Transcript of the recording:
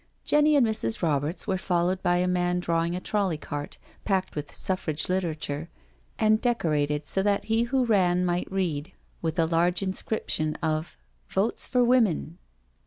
Jenny and Mrs. Roberts were followed by a man drawing a trolly cart packed with Suffrage literature, and decorated so that he who ran might read, with a large inscription of " Votes for Women.